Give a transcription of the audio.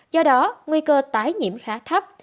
do đó nguy cơ tái nhiễm khá thấp